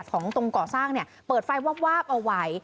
ตรงก่อสร้างเปิดไฟวาบเอาไว้